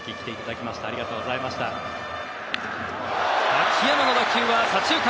秋山の打球は左中間！